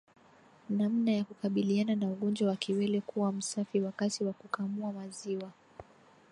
Namna ya kukabiliana na ugonjwa wa kiwele kuwa msafi wakati wa kukamua maziwa